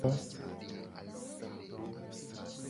Ayemo.